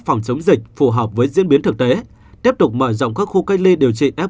phòng chống dịch phù hợp với diễn biến thực tế tiếp tục mở rộng các khu cách ly điều trị f